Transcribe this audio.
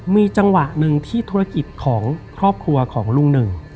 มีจังหวะหนึ่งที่ธุรกิจของครอบครัวของลุงหนึ่ง